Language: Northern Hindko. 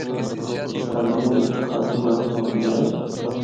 سردیاں بچ تے خاصی برف ہوندی اے۔